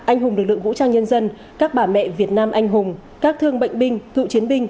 anh hùng lực lượng vũ trang nhân dân các bà mẹ việt nam anh hùng các thương bệnh binh cựu chiến binh